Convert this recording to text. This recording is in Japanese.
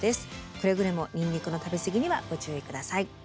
くれぐれもニンニクの食べ過ぎにはご注意下さい。